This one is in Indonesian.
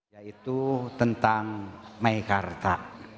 yaitu tentang mei karta